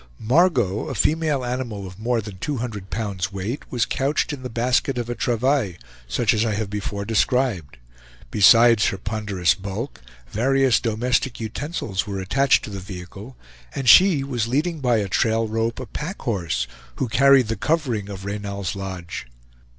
Margot, a female animal of more than two hundred pounds' weight, was couched in the basket of a travail, such as I have before described; besides her ponderous bulk, various domestic utensils were attached to the vehicle, and she was leading by a trail rope a packhorse, who carried the covering of Reynal's lodge.